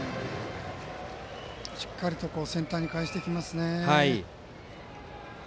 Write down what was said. しっかりセンターに返してきますね。